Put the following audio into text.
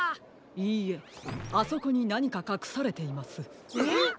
いいえあそこになにかかくされています。